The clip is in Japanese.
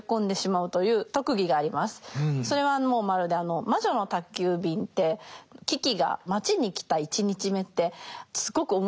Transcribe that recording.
それはもうまるで「魔女の宅急便」ってキキが街に来た１日目ってすごく面白いじゃないですか。